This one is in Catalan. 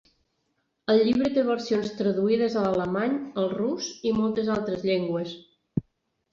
El llibre té versions traduïdes a l'alemany, al rus, i moltes altres llengües.